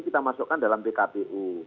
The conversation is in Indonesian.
kita masukkan dalam pkpu